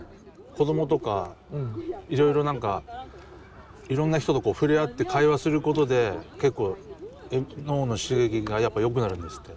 子供とかいろいろ何かいろんな人と触れ合って会話することで結構脳の刺激がやっぱよくなるんですって。